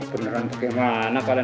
beneran bagaimana kalian